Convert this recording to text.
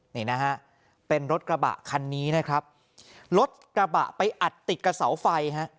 นี่นะฮะเป็นรถกระบะคันนี้นะครับรถกระบะไปอัดติดกับเสาไฟฮะ